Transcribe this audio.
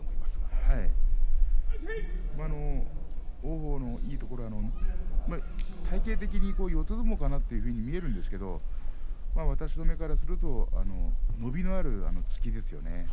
王鵬のいいところは体形的に四つ相撲かなというふうに見えるんですけども私の目から見ると突きですね。